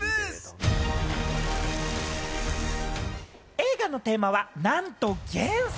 映画のテーマはなんと元素！